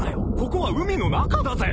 ここは海の中だぜ！？